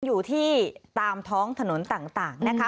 อยู่ที่ตามท้องถนนต่างนะคะ